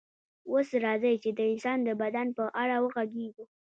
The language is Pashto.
اوس راځئ چې د انسان د بدن په اړه وغږیږو